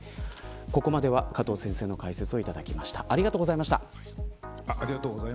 ここまでは加藤さんの解説をいただきました。